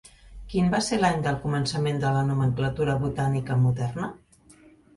Quin va ser l'any del començament de la nomenclatura botànica moderna?